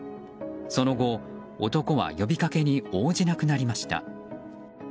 その後、男は呼びかけに応じなくなりました。